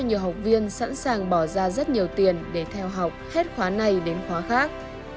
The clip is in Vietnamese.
nhiều học viên sẵn sàng bỏ ra rất nhiều tiền để theo học hết khóa này đến khóa khác